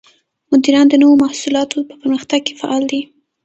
مدیران د نوو محصولاتو په پرمختګ کې فعال دي.